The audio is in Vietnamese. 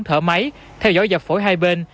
thở máy theo dõi giọt phổi hai bên